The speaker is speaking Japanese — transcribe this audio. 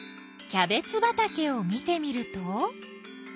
キャベツばたけを見てみると。